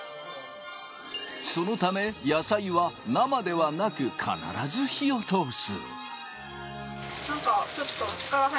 そのため野菜は生ではなく、必ず火を通す。